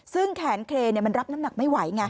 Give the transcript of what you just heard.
ซึ่งแขนเครนมันรับน้ำหนักไม่ไหวไง